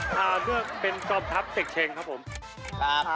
เพื่อเป็นจอมทัพเต็กเช็งครับผม